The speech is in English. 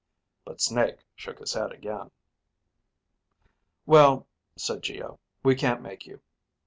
But Snake shook his head again. "Well," said Geo, "we can't make you.